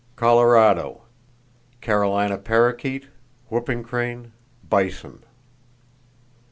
Colorado: Carolina parrakeet, whooping crane; bison.